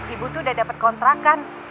ibu tuh udah dapat kontrakan